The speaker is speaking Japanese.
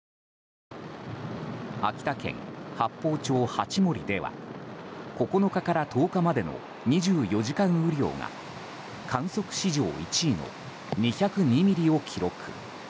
秋田県八峰町八森では９日から１０日までの２４時間雨量が観測史上１位の２０２ミリを記録。